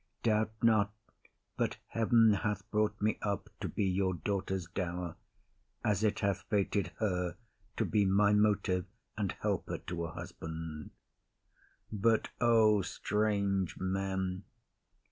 Doubt not but heaven Hath brought me up to be your daughter's dower, As it hath fated her to be my motive And helper to a husband. But, O strange men!